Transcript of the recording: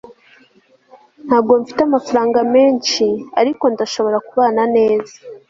ntabwo mfite amafaranga menshi, ariko ndashobora kubana neza